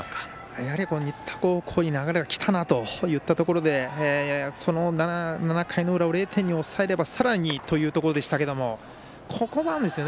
やはり新田高校に流れがきたなといったところで７回の裏を０点に抑えればさらにというところでしたけどここなんですよね